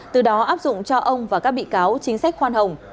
từ đó áp dụng cho ông và các bị cáo chính sách khoan hồng